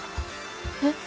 えっ？